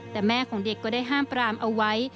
แต่แม่ของเด็กก็ได้ห้ามปรามเอาไว้